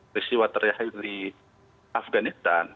peristiwa terakhir di afganistan